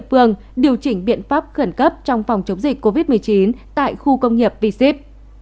và chủ tịch covid một mươi chín tại khu công nghiệp v zip